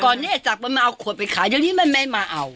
ก่อนนี้แอ๊ะสักมะม่าเอาขัวไปขายตั้งนี้ไม่มาเอา